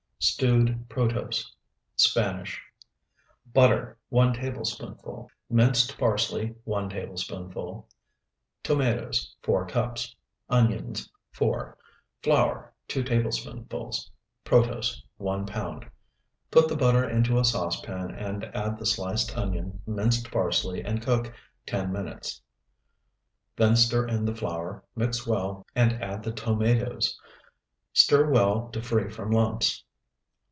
STEWED PROTOSE (SPANISH) Butter, 1 tablespoonful. Minced parsley, 1 tablespoonful. Tomatoes, 4 cups. Onions, 4. Flour, 2 tablespoonfuls. Protose, 1 pound. Put the butter into a saucepan and add the sliced onion, minced parsley, and cook ten minutes. Then stir in the flour, mix well, and add the tomatoes. Stir well to free from lumps.